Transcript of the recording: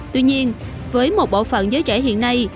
tuy nhiên với một bộ phận giới trẻ hiện nay